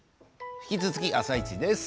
引き続き「あさイチ」です。